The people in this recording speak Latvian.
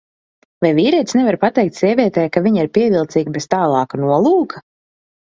Vai vīrietis nevar pateikt sievietei, ka viņa ir pievilcīga bez tālāka nolūka?